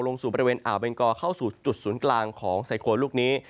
สู่บริเวณอ่าวเบงกอเข้าสู่จุดศูนย์กลางของไซโครนลูกนี้